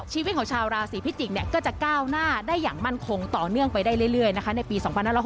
ชีวิตของชาวราศีพิจิกษ์ก็จะก้าวหน้าได้อย่างมั่นคงต่อเนื่องไปได้เรื่อยนะคะในปี๒๕๖๖